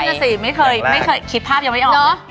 นั่นน่ะสิไม่เคยคิดภาพยังไม่ออกเนอะ